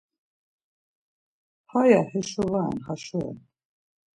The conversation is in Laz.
Haya heşo va ren, haşo ren.